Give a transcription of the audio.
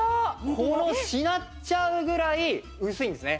こうしなっちゃうぐらい薄いんですね。